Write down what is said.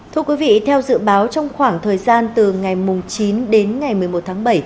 thưa quý vị theo dự báo trong khoảng thời gian từ ngày chín đến ngày một mươi một tháng bảy